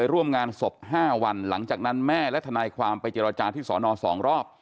ร่วมงานศพ๕วันหลังจากนั้นแม่และทนายความไปเจรจาที่สอนอ๒รอบ